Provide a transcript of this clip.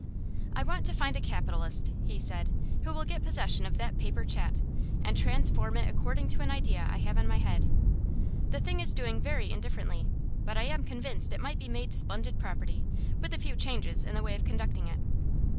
'I want to find a capitalist,' he said, 'who will get possession of that paper Chat, and transform it according to an idea I have in my head. The thing is doing very indifferently, but I am convinced it might be made splendid property, with a few changes in the way of conducting it.